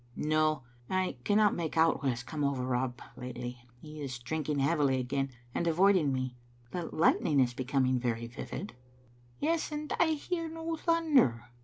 "No; I cannot make out what has come over Rob lately. He is drinking heavily again, and avoiding me. The lightning is becoming very vivid. "" Yes, and I hear no thunder.